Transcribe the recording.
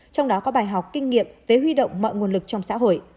trong đó có bài học kinh nghiệm về huy động mọi nguồn lực trong xã hội